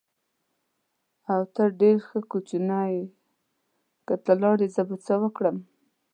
او، ته ډېر ښه کوچنی یې، که ته ولاړې زه به څه کوم؟